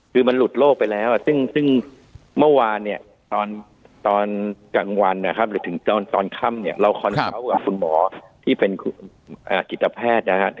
คือมันหลุดโลกไปแล้วซึ่งเมื่อวานเนี่ยตอนกลางวันนะครับหรือถึงตอนค่ำเนี่ยเราคอนเขากับคุณหมอที่เป็นจิตแพทย์นะครับ